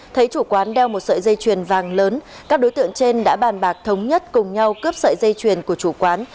thấy chủ quán đeo một sợi dây chuyền vàng lớn các đối tượng trên đã bàn bạc thống nhất cùng nhau cướp sợi dây chuyền của chủ quán